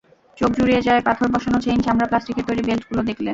চোখ জুড়িয়ে যায় পাথর বসানো চেইন, চামড়া, প্লাস্টিকের তৈরি বেল্টগুলো দেখলে।